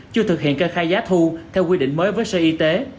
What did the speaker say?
chưa thực hiện kê khai giá thu theo quy định mới với sở y tế